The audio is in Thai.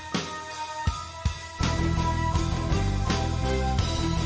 ก็ไม่น่าจะดังกึ่งนะ